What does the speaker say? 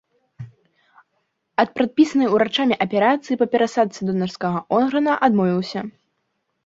Ад прадпісанай урачамі аперацыі па перасадцы донарскага органа адмовіўся.